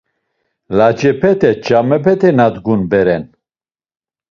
Lacepete, ç̌amepete na dgun bere’n.